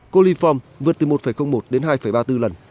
coliform vượt từ một một đến hai ba mươi bốn lần